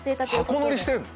箱乗りしてるの？